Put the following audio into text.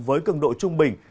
với cường độ trung bình